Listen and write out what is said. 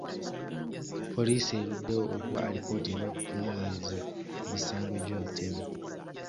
Poliisi eruddewo okuwa alipoota eva ku kunoonyereza ku misango gy'obutemu.